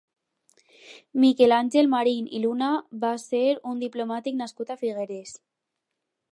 Miquel Àngel Marín i Luna va ser un diplomàtic nascut a Figueres.